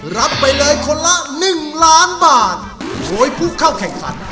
รับไปเลยคนละหนึ่งล้านบาทโดยผู้เข้าแข่งขัน